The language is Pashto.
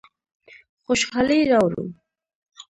خوشحالي راوړو.